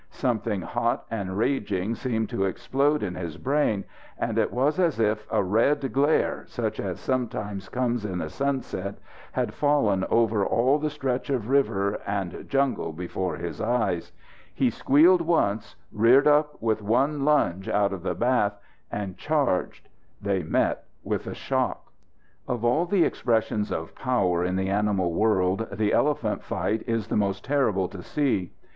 Something hot and raging seemed to explode in his brain and it was as if a red glare, such as sometimes comes in the sunset, had fallen over all the stretch of river and jungle before his eyes. He squealed once, reared up with one lunge out of the bath and charged. They met with a shock. Of all the expressions of power in the animal world, the elephant fight is the most terrible to see.